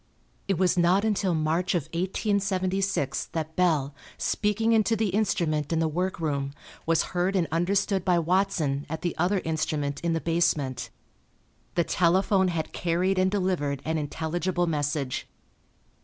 It was not until March of 1876 that Bell, speaking into the instrument in the workroom, was heard and understood by Watson at the other instrument in the basement. The telephone had carried and delivered an intelligible message.